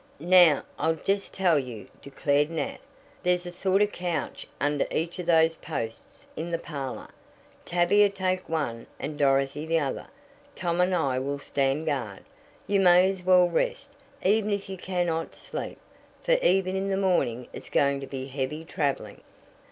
"Now, I'll just tell you," declared Nat. "There's a sort of couch under each of those posts in the parlor. Tavia take one and Dorothy the other, Tom and I will stand guard. You may as well rest, even if you cannot sleep, for even in the morning it's going to be heavy traveling."